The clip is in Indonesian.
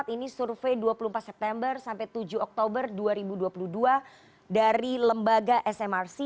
ini survei dua puluh empat september sampai tujuh oktober dua ribu dua puluh dua dari lembaga smrc